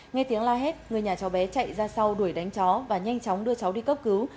nghe tiếng la hét người nhà cháu bé chạy ra sau đuổi đánh chó và nhanh chóng đưa cháu đi cấp cứu